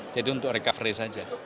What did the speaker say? jadi untuk recovery saja